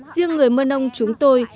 riêng người mân âu chúng tôi